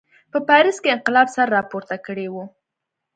په پاریس کې انقلاب سر راپورته کړی و.